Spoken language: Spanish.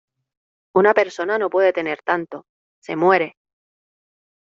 una persona no puede tener tanto, se muere.